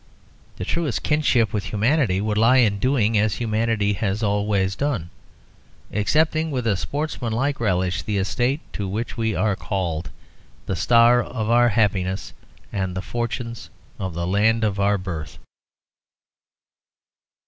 The truest kinship with humanity would lie in doing as humanity has always done, accepting with a sportsmanlike relish the estate to which we are called, the star of our happiness, and the fortunes of the land of our birth.